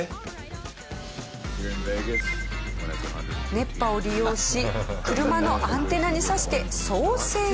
熱波を利用し車のアンテナに刺してソーセージ焼き。